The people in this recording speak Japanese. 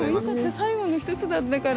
最後の１つだったから。